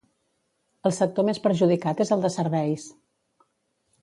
El sector més perjudicat és el de serveis.